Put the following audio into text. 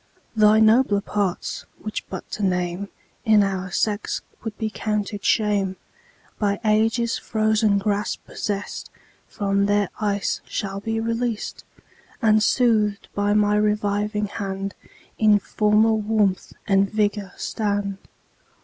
Thy nobler parts, which but to name In our sex would be counted shame, By ages frozen grasp possest, From their ice shall be released, And, soothed by my reviving hand, In former warmth and vigour stand.